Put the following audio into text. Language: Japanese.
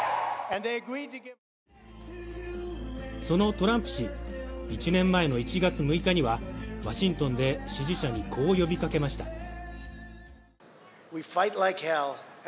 そのトランプ氏、１年前の１月６日にはワシントンで支持者にこう呼びかけました。